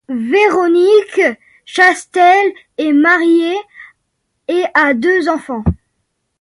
Véronique Chastel est mariée et a deux enfants.